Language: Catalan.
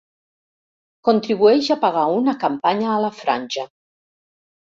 Contribueix a pagar una campanya a la Franja.